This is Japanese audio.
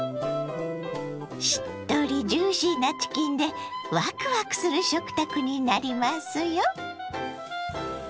しっとりジューシーなチキンでワクワクする食卓になりますよ。